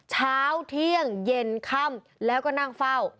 เช้าเที่ยงเย็นค่ำแล้วก็นั่งเฝ้า